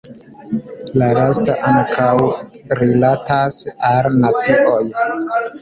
La lasta ankaŭ rilatas al nacioj.